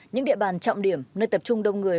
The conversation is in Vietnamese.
những địa bàn trọng điểm nơi tập trung đông người